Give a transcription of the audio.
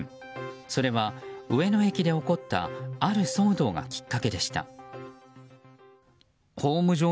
それは上野駅で起こったある騒動がきっかけでした。